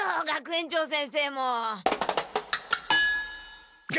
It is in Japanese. が学園長先生も！？